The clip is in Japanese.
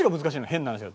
変な話は。